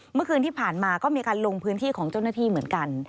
เมื่อคืนที่ผ่านมาก็มีการลงพื้นที่ของเจ้าหน้าที่เหมือนกัน